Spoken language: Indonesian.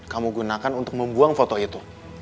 kamu gunakan untuk membuang foto itu